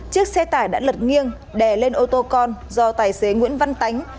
chiếc xe tải đã lật nghiêng đè lên ô tô con do tài xế nguyễn văn tánh